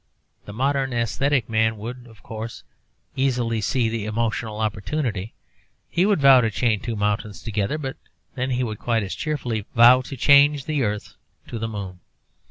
The modern aesthetic man would, of course, easily see the emotional opportunity; he would vow to chain two mountains together. But, then, he would quite as cheerfully vow to chain the earth to the moon.